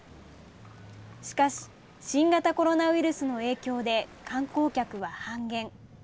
しかし、新型コロナウイルスの影響で観光客は半減。